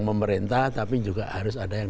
pemerintah tapi juga harus ada yang